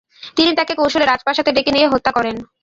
তিনি তাকে কৌশলে রাজপ্রাসাদে ডেকে নিয়ে হত্যা করেন।